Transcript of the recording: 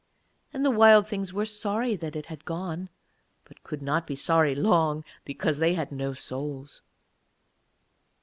And the Wild Things were sorry that it had gone, but could not be sorry long, because they had no souls.